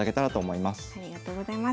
ありがとうございます。